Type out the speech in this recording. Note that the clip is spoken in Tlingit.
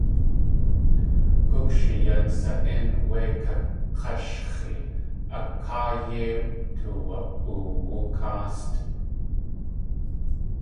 Gúkshi yan sa.ín wé kak̲áshx̲i a káa yéi tuwa.oowu káast!